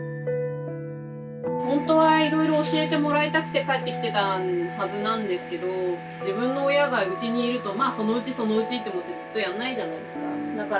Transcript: ほんとはいろいろ教えてもらいたくて帰ってきてたはずなんですけど自分の親がうちにいるとまあそのうちそのうちって思ってずっとやんないじゃないですか。